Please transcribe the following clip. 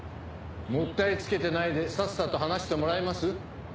もったいつけてないでさっさと話してもらえます？